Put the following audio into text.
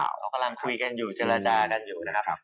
เขากำลังคุยกันอยู่เจรจากันอยู่นะครับ